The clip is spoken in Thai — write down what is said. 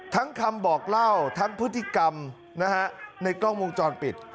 ทั้งคำบอกเล่าทั้งพฤติกรรมนะฮะในกล้องมงจรปิด